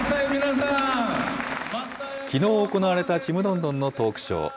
きのう行われた、ちむどんどんのトークショー。